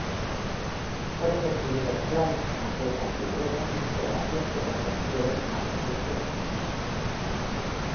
Fueron exhibidos planos, maquetas, libretas y fotografías que pertenecieron a Refugio Reyes.